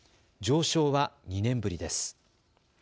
上昇は２年ぶりです。